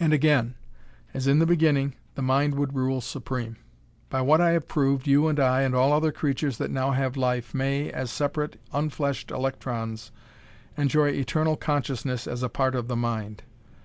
And again, as in the beginning, the Mind would rule supreme. By what I have proved, you and I and all other creatures that now have life may, as separate unfleshed electrons, enjoy eternal consciousness as a part of the Mind."